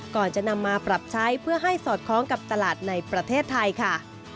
ก่อนจะนำมาปรับใช้เพื่อให้สอดคล้องกับตลาดในประเทศไทยค่ะ